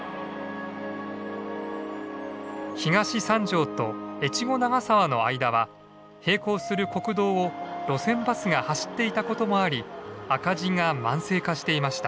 東三条と越後長沢の間は並行する国道を路線バスが走っていたこともあり赤字が慢性化していました。